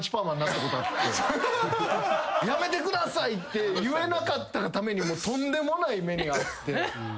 「やめてください」って言えなかったがためにとんでもない目に遭って。